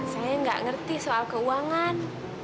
saya nggak ngerti soal keuangan